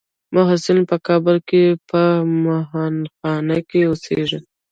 محصلین په کابل کې په مهانخانه کې اوسیږي.